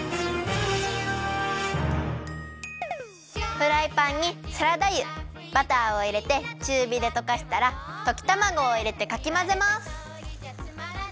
フライパンにサラダ油バターをいれてちゅうびでとかしたらときたまごをいれてかきまぜます。